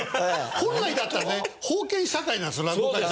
本来だったらね封建社会なんですよ落語界って。